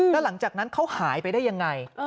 แล้วหลังจากนั้นเขาหายไปได้ยังไง